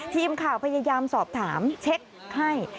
ทีมข่าวพยายามสอบถามเช็คให้